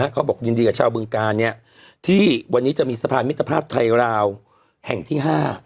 เขาบอกยินดีกับชาวบึงกาลที่วันนี้จะมีสะพานมิตรภาพไทยราวแห่งที่๕